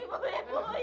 ibu ibu ibu ibu ibu